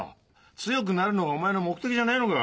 強くなるのがお前の目的じゃねえのか？